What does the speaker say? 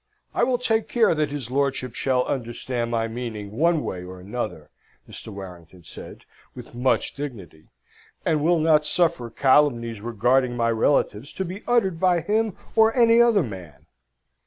"I will take care that his lordship shall understand my meaning, one way or other," Mr. Warrington said, with much dignity; "and will not suffer calumnies regarding my relatives to be uttered by him or any other man!"